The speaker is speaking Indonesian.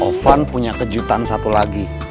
ovan punya kejutan satu lagi